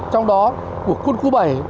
trong đó của quân khu bảy